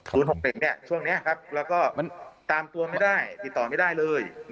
ช่วงนี้ครับแล้วก็มันตามตัวไม่ได้ติดต่อไม่ได้เลย